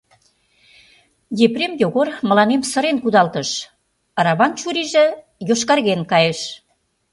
Епрем Йогор мыланем сырен кудалтыш, араван чурийже йошкарген кайыш.